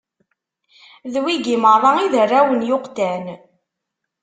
D wigi meṛṛa i d arraw n Yuqtan.